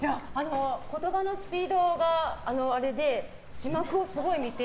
言葉のスピードがあれで字幕をすごい見て。